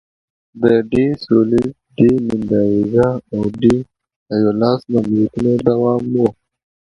د ډي سولیز، ډي میندوزا او ډي ایولاس ماموریتونه دوام و.